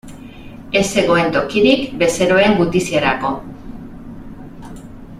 Ez zegoen tokirik bezeroen gutiziarako.